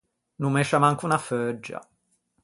No mescia manco unna feuggia.